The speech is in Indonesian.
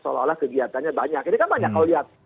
seolah olah kegiatannya banyak ini kan banyak kau lihat